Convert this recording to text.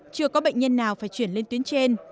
chưa có bệnh nhân nào phải chuyển lên tuyến trên